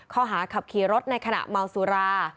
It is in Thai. ข้อหาขับขี่รถในขณะเมาสุรา